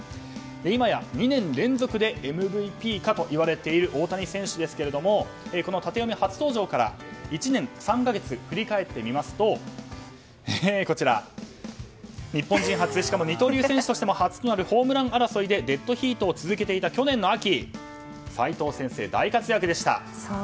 今や、２年連続でＭＶＰかといわれている大谷選手ですがこのタテヨミ初登場から１年３か月振り返ってみますと日本人初で二刀流選手としても初となるホームラン争いでデッドヒートを続けていた去年の秋、齋藤先生大活躍でした。